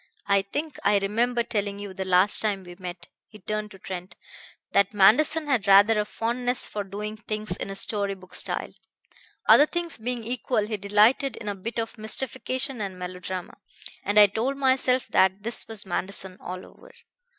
I think I remember telling you the last time we met" he turned to Trent "that Manderson had rather a fondness for doing things in a story book style. Other things being equal, he delighted in a bit of mystification and melodrama, and I told myself that this was Manderson all over.